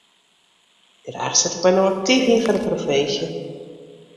Graach set ik my no aktyf yn foar de provinsje.